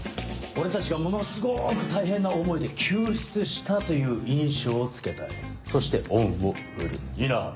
俺たちがものすごく大変な思いで救出したという印象をつけたいそして恩を売るいいな？